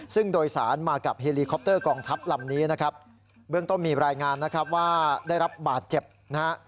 ซึ่งโดยสารมากับเฮลีคอปเตอร์กองทัพลำนี้นะครับเบื้องต้นมีรายงานนะครับว่าได้รับบาดเจ็บนะฮะ